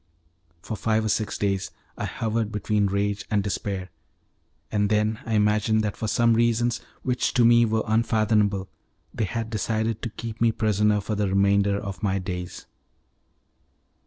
For five or six days I hovered between rage and despair, and then I imagined that for some reasons which to me were unfathomable they had decided to keep me prisoner for the remainder of my days.